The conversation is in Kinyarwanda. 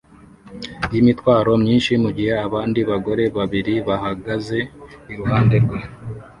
yimitwaro myinshi mugihe abandi bagore babiri bahagaze iruhande rwe